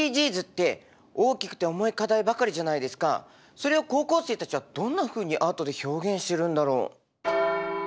それを高校生たちはどんなふうにアートで表現してるんだろう？